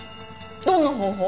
どんな方法？